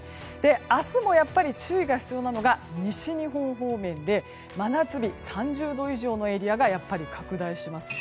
明日も注意が必要なのが西日本方面で真夏日、３０度以上のエリアがやっぱり拡大します。